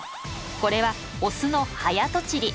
これはオスの早とちり。